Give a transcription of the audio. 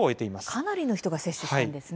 かなりの人が接種したんですね。